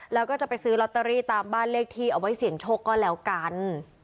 แล้วก็จะไปซื้อลอตเตอรี่ตามบ้านเลขที่เอาไว้เสี่ยงโชคก็แล้วกัน